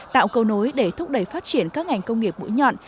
tạo cầu nối để thúc đẩy phát triển các ngành công nghiệp mũi nhọn